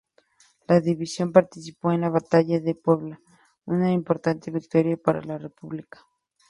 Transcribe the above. La división participó en la Batalla de Puebla, una importante victoria para la república.